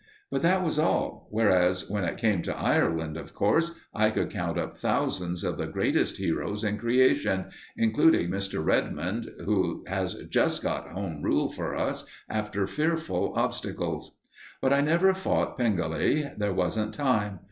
But that was all, whereas, when it came to Ireland, of course, I could count up thousands of the greatest heroes in creation, including Mr. Redmond, who has just got Home Rule for us after fearful obstacles. But I never fought Pengelly; there wasn't time.